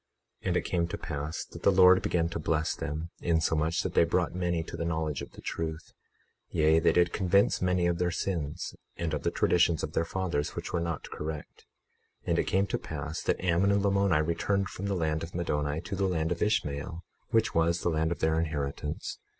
21:17 And it came to pass that the Lord began to bless them, insomuch that they brought many to the knowledge of the truth; yea, they did convince many of their sins, and of the traditions of their fathers, which were not correct. 21:18 And it came to pass that Ammon and Lamoni returned from the land of Middoni to the land of Ishmael, which was the land of their inheritance.